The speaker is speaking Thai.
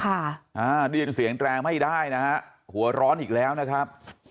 อ่าได้ยินเสียงแตรไม่ได้นะฮะหัวร้อนอีกแล้วนะครับ